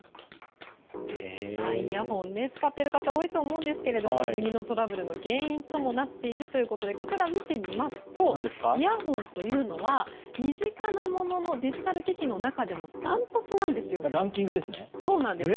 イヤホンを使っている方多いと思いますが耳のトラブルの原因ともなっているということでこちら見てみますとイヤホンというのは身近なもののデジタル機器の中でもダントツなんですよ。